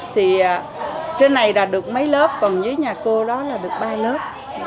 thì trên này đạt được mấy lớp còn dưới nhà cô đó là được ba lớp